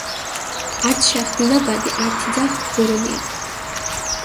ართშახ დინაბადი ართიძახ ღურუნია